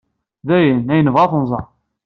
D ayen ay nebɣa ad t-nẓer.